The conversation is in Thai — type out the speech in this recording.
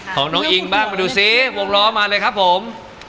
ของน้องอิงบ้างมาดูซิวงล้อมาเลยครับผม